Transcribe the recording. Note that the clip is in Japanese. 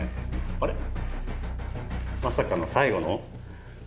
あれっまさかの最後の？